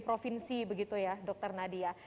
provinsi begitu ya dokter nadia